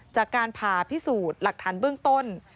จากการผ่าพิสูจน์หลักฐานเบื้องต้น